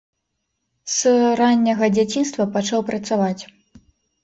С ранняга дзяцінства пачаў працаваць.